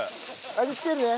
味付けるのね。